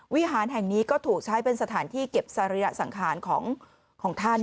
วิหารแห่งนี้ก็ถูกใช้เป็นสถานที่เก็บสริยสังขารของท่าน